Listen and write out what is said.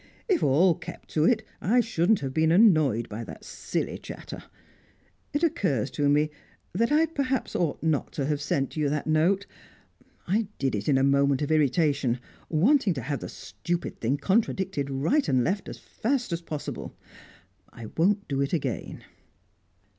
If all kept to it I shouldn't have been annoyed by that silly chatter. It occurs to me that I perhaps ought not to have sent you that note. I did it in a moment of irritation wanting to have the stupid thing contradicted right and left, as fast as possible. I won't do it again."